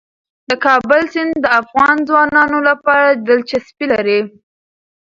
د کابل سیند د افغان ځوانانو لپاره دلچسپي لري.